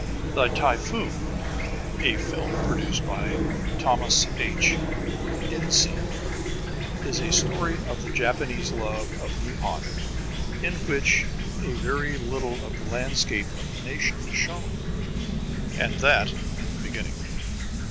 The Typhoon, a film produced by Thomas H. Ince, is a story of the Japanese love of Nippon in which a very little of the landscape of the nation is shown, and that in the beginning.